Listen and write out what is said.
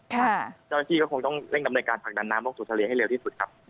เจ้าหน้าที่ก็คงต้องเร่งดำเนินการผลักดันน้ำลงสู่ทะเลให้เร็วที่สุดครับ